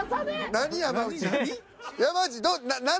何？